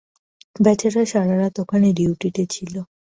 বেচারা সারারাত ওখানে ডিউটিতে ছিলো।